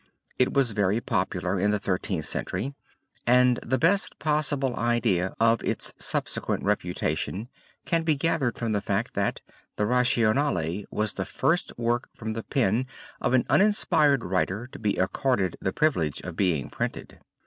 It was very popular in the Thirteenth Century, and the best possible idea of its subsequent reputation can be gathered from the fact, that the Rationale was the first work from the pen of an uninspired writer to be accorded the privilege of being printed.